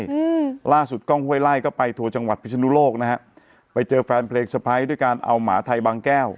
อืมล่าสุดกล้องห้วยไล่ก็ไปทัวร์จังหวัดพิศนุโลกนะฮะไปเจอแฟนเพลงสะพ้ายด้วยการเอาหมาไทยบางแก้ว